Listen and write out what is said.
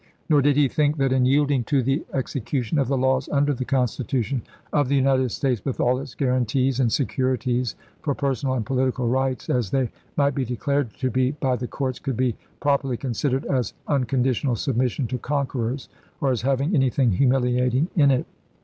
.. Nor did he think that in yielding to the execution of the laws under the Constitution of the United States, with all its guarantees and securities for personal and political rights, as they might be declared to be by the courts, could be properly considered as unconditional submission to conquerors, or as having anything humiliating in it.